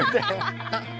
ハハハハ！